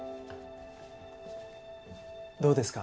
どうですか？